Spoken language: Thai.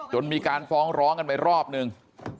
มีการฟ้องร้องกันไปรอบนึง